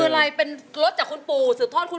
คืออะไรเป็นรถจากคุณปู่สืบทอดคุณ